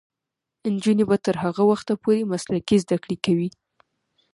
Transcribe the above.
نجونې به تر هغه وخته پورې مسلکي زدکړې کوي.